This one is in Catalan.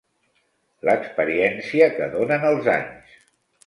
L'experiència que donen els anys.